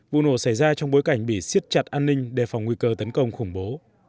vụ nổ xảy ra trong bối cảnh bỉ siết chặt an ninh đề phòng nguy cơ tấn công khủng bố